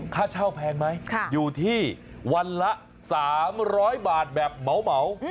ค่าเช่าแพงไหมอยู่ที่วันละ๓๐๐บาทแบบเหมา